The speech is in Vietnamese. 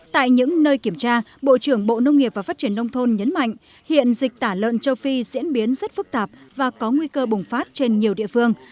tại những nơi kiểm tra bộ trưởng bộ nông nghiệp và phát triển nông thôn nhấn mạnh hiện dịch tả lợn châu phi diễn biến rất phức tạp và có nguy cơ bùng phát trên nhiều địa phương